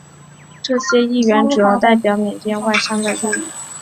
这些议员主要代表缅甸外商的利益。